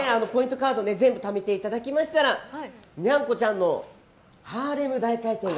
カード全部ためていただきましたらニャンコちゃんのハーレム大回転が。